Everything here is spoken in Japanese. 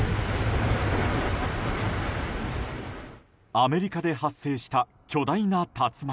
アメリカで発生した巨大な竜巻。